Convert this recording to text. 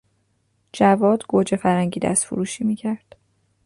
جواد گوجه فرنگی دستفروشی میکرد.